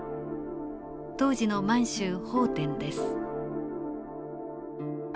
当時の満州奉天です。